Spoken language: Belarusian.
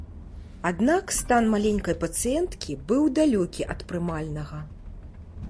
Аднак стан маленькай пацыенткі быў далёкі ад прымальнага.